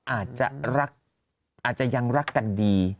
อาจจะยังรักกันดี